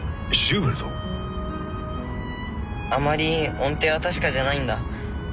あまり音程は確かじゃないんだ。